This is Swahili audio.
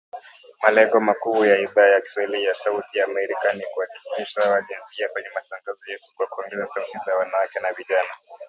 Malengo makuu ya Idhaa ya kiswahili ya Sauti ya Amerika ni kuhakikisha usawa wa jinsia kwenye matangazo yetu kwa kuongeza sauti za wanawake na vijana.